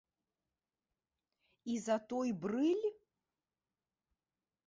І за той брыль?